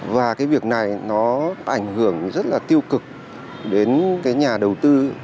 và cái việc này nó ảnh hưởng rất là tiêu cực đến cái nhà đầu tư